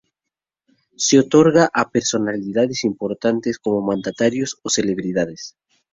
Se otorga a personalidades importantes como mandatarios o celebridades